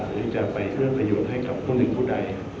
หรือจะไปเอื้อประโยชน์ให้กับผู้หนึ่งผู้ใด